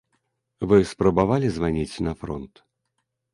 Вы спрабавалі званіць на фронт?